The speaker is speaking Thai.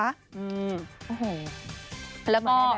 อืมโอ้โฮ